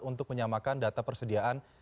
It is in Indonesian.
untuk menyamakan data persediaan